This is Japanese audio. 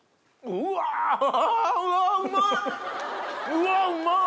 うわうまっ！